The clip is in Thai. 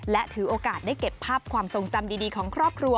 และถือโอกาสได้เก็บภาพความทรงจำดีของครอบครัว